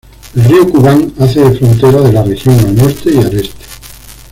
El río Kubán hace de frontera de la región al norte y al este.